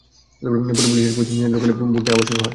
পরে পুলিশ এসে পরিস্থিতি নিয়ন্ত্রণ করলে ভোট নেওয়া আবার শুরু হয়।